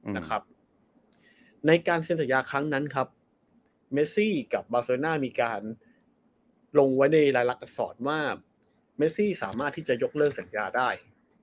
ในการเซ็นสัญญาครั้งนั้นครับเมซี่กับบาเซอร์น่ามีการลงไว้ในรายลักษรว่าเมซี่สามารถที่จะยกเลิกสัญญาได้